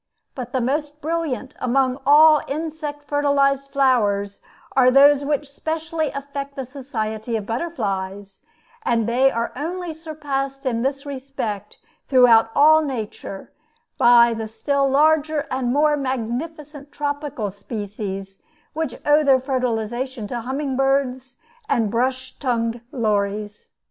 But the most brilliant among all insect fertilized flowers are those which specially affect the society of butterflies; and they are only surpassed in this respect throughout all nature by the still larger and more magnificent tropical species which owe their fertilization to humming birds and brush tongued lories.